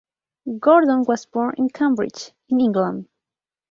Gordon was born in Cambridge, in England.